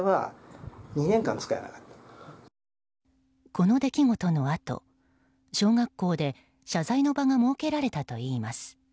この出来事のあと小学校で謝罪の場が設けられたといいます。